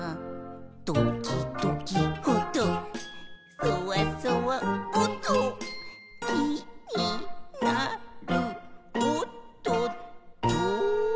「どきどきおっとそわそわおっと」「きになるおっとっと」